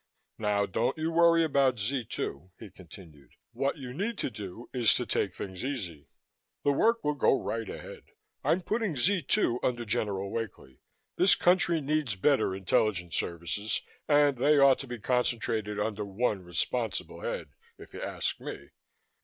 Now don't you worry about Z 2," he continued. "What you need to do is to take things easy. The work will go right ahead. I'm putting Z 2 under General Wakely. This country needs better intelligence services and they ought to be concentrated under one responsible head, if you ask me."